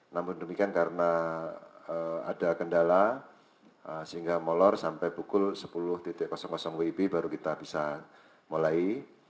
namun demikian karena ada kendala sehingga molor sampai pukul sepuluh wib baru kita bisa mulai